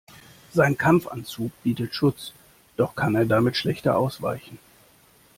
Sein Kampfanzug bietet Schutz, doch kann er damit schlechter ausweichen.